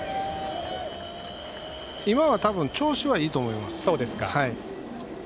今は、多分調子はいいと思います。